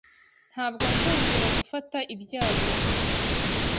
Ntabwo nzongera gufata ibyago.